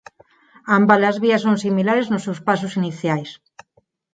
Ambas as vías son similares nos seus pasos iniciais.